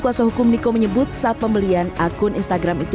kuasa hukum niko menyebut saat pembelian akun instagram itu